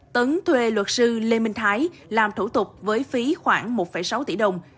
tấn thuê luật sư lê minh thái làm thủ tục với phí khoảng một sáu tỷ đồng